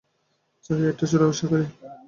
ছাই - এটা চোরাশিকারি।